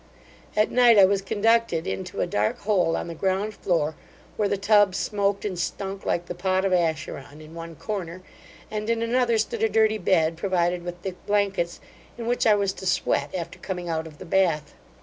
At night, I was conducted into a dark hole on the ground floor, where the tub smoaked and stunk like the pot of Acheron, in one corner, and in another stood a dirty bed provided with thick blankets, in which I was to sweat after coming out of the bath.